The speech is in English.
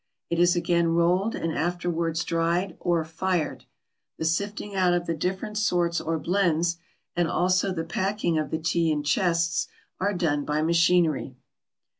It is again rolled and afterwards dried or "fired." The sifting out of the different sorts or blends, and also the packing of the tea in chests, are done by machinery.